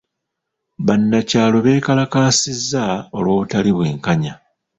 Bannakyalo beekalakaasizza olw'obutali bwenkanya.